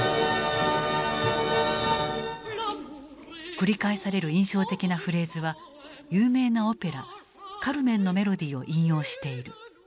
繰り返される印象的なフレーズは有名なオペラ「カルメン」のメロディーを引用している。